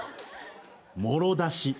もろ出し。